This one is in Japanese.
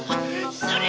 それ！